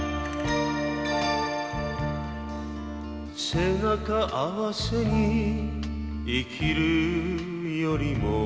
「背中合わせに生きるよりも」